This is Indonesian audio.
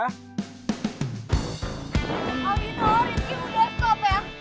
audino rifki mau desktop ya